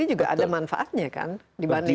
itu manfaatnya kan dibanding dari